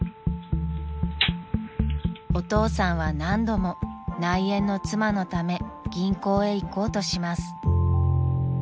［お父さんは何度も内縁の妻のため銀行へ行こうとします］